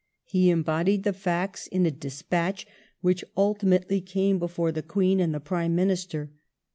He embioded the facts in a despatch which ultimately came before the Queen and the Prime Minister.